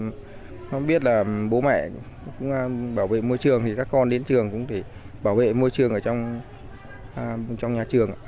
để ô nhiễm cho trẻ em đi học thì nhìn vào đấy thì biết là bố mẹ bảo vệ môi trường thì các con đến trường cũng bảo vệ môi trường trong nhà trường